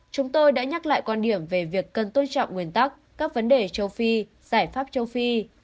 chúng tôi đã nhắc lại quan điểm về việc cần tôn trọng nguyên tắc các vấn đề châu phi giải pháp châu phi